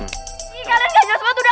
ih kalian gak jelas banget udah aku bengkel